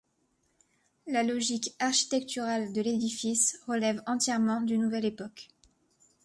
La logique architecturale de l'édifice relève entièrement d'une nouvelle époque.